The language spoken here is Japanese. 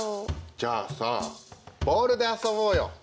じゃあさボールで遊ぼうよ。